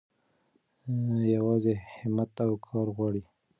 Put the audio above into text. يوازې هيمت او کار غواړي.